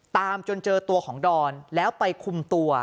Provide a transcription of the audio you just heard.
ตามจนเจอตัวของดอนแล้วไปคุมตัว